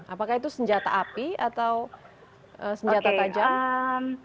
apakah itu senjata api atau senjata tajam